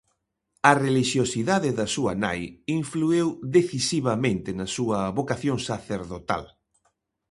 A relixiosidade da súa nai influíu decisivamente na súa vocación sacerdotal.